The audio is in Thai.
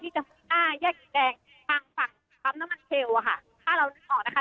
ที่จำหน้าแยกนิดแดงทางฝั่งพร้ำน้ำมันเชลค่ะถ้าเรานึกออกนะคะ